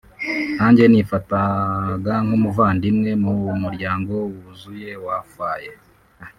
nanjye nifataga nk’umuvandimwe mu muryango wuzuye wa Faye